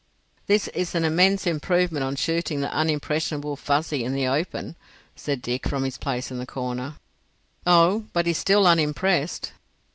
"This is an immense improvement on shooting the unimpressionable Fuzzy in the open," said Dick, from his place in the corner. "Oh, but he's still unimpressed.